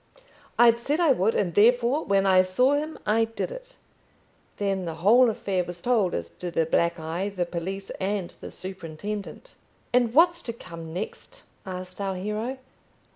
I'd said I would, and therefore when I saw him I did it." Then the whole affair was told as to the black eye, the police, and the superintendent. "And what's to come next?" asked our hero.